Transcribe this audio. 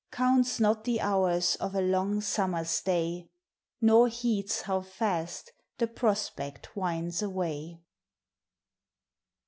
Counts not the hours of a long summer's day, Nor heeds how fast the prospect winds away.